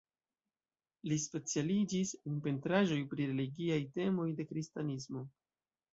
Li specialiĝis en pentraĵoj pri religiaj temoj de kristanismo.